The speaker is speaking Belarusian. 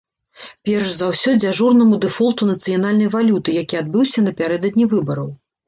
Перш за ўсё, дзяжурнаму дэфолту нацыянальнай валюты, які адбыўся напярэдадні выбараў.